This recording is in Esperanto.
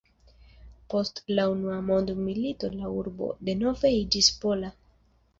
Post la Unua Mondmilito la urbo denove iĝis pola.